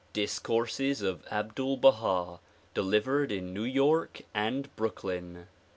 Discourses of Abdul Baha delivered in New York and Brooklyn.